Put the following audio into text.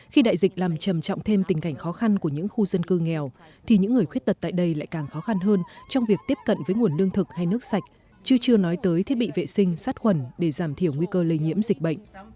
khi đại dịch làm trầm trọng thêm tình cảnh khó khăn của những khu dân cư nghèo thì những người khuyết tật tại đây lại càng khó khăn hơn trong việc tiếp cận với nguồn lương thực hay nước sạch chứ chưa nói tới thiết bị vệ sinh sát khuẩn để giảm thiểu nguy cơ lây nhiễm dịch bệnh